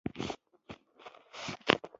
هغه اوبه ټولي وڅکلي